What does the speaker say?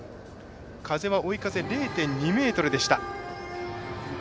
風は追い風０．２メートルでした。